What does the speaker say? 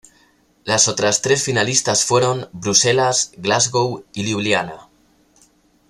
Las otras tres finalistas fueron: Bruselas, Glasgow y Liubliana.